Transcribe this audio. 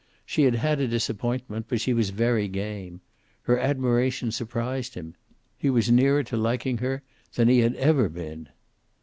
She had had a disappointment, but she was very game. Her admiration surprised him. He was nearer to liking her than he had ever been.